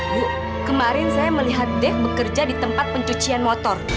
bu kemarin saya melihat dev bekerja di tempat pencucian motor